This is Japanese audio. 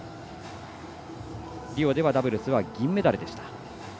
リオではダブルスは銀メダルでした。